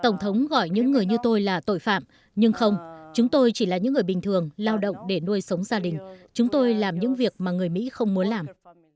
tổng thống gọi những người như tôi là tội phạm nhưng không chúng tôi chỉ là những người bình thường lao động để nuôi sống gia đình chúng tôi làm những việc mà người mỹ không muốn làm